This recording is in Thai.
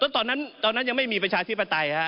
ตอนนั้นยังไม่มีประชาถิปไตยนะฮะ